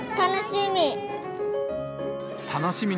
楽しみ！